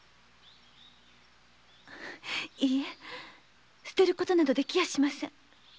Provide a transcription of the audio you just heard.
いいえ捨てることなどできやしません。